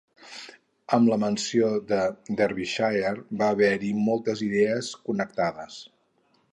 Amb la menció de Derbyshire va haver-hi moltes idees connectades.